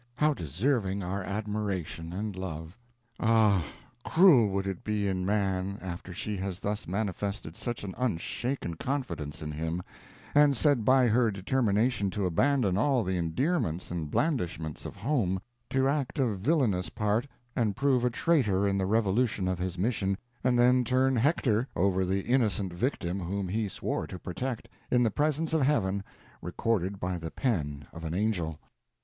How deserving our admiration and love! Ah cruel would it be in man, after she has thus manifested such an unshaken confidence in him, and said by her determination to abandon all the endearments and blandishments of home, to act a villainous part, and prove a traitor in the revolution of his mission, and then turn Hector over the innocent victim whom he swore to protect, in the presence of Heaven, recorded by the pen of an angel.